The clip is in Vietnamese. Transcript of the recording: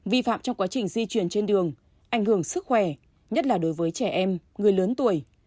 vi phạm trong quá trình di chuyển trên đường ảnh hưởng sức khỏe nhất là đối với trẻ em người lớn tuổi